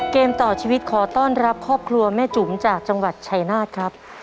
เกมต่อชีวิตขอต้อนรับครอบครัวแม่จุ๋มจากจังหวัดชายนาฏครับ